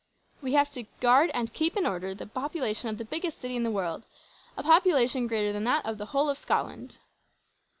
"We have to guard and keep in order the population of the biggest city in the world; a population greater than that of the whole of Scotland."